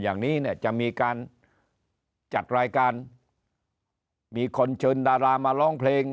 อย่างนี้เนี่ยจะมีการจัดรายการมีคนเชิญดารามาร้องเพลง